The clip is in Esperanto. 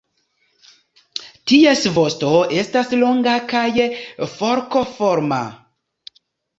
Ties vosto estas longa kaj forkoforma.